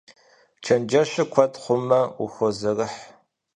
Чэнджэщыр куэд хъумэ, ухозэрыхь.